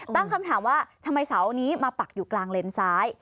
ตั้งคำถามว่าทำไมเสานี้มาปักอยู่กลางเลนซ้าย